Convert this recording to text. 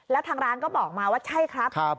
แล้วทางร้านก็บอกมาว่าใช่ครับ